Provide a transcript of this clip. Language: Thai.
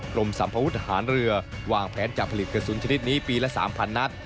สัมภวุฒิหารเรือวางแผนจะผลิตกระสุนชนิดนี้ปีละ๓๐๐นัด